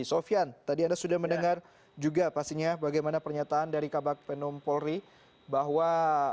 sofian tadi anda sudah mendengar juga pastinya bagaimana pernyataan dari kabak penum polri bahwa